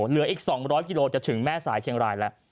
เหลืออีกสองร้อยกิโลจะถึงแม่สายเชียงรายละ